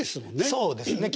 そうですね。